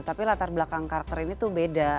tapi latar belakang karakter ini tuh beda